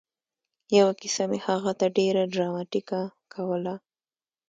یوه کیسه مې هغه ته ډېره ډراماتيکه کوله